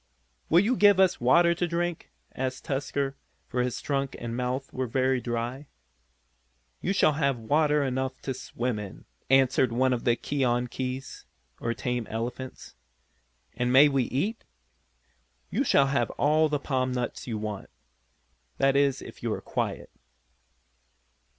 "Will you give us water to drink?" asked Tusker, for his trunk and mouth were very dry. "You shall have water enough to swim in," answered one of the keonkies, or tame elephants. "And may we eat?" "You shall have all the palm nuts you want. That is if you are quiet."